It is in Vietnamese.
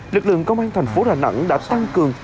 lực lượng công an thành phố đà nẵng đã tăng cường